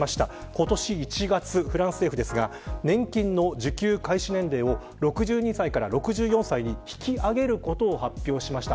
今年１月、フランス政府は年金の受給開始年齢を６２歳から６４歳に引き上げることを発表しました。